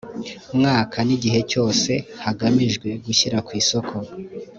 mwaka n igihe cyose hagamijwe gushyira ku isoko